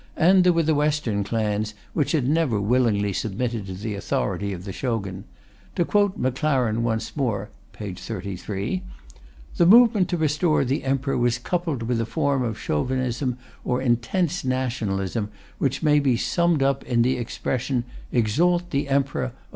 And there were the western clans, which had never willingly submitted to the authority of the Shogun. To quote McLaren once more (p. 33): The movement to restore the Emperor was coupled with a form of Chauvinism or intense nationalism which may be summed up in the expression "Exalt the Emperor!